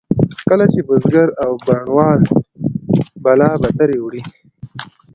کله چې بزګر او بڼوال به بلابترې وړې.